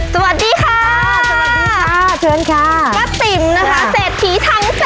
สวัสดีค่ะสวัสดีค่ะเชิญค่ะป้าติ๋มนะคะเศรษฐีทั้ง๗